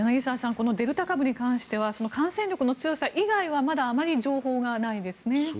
このデルタ株に関しては感染力の強さ以外はまだあまり情報がないですね。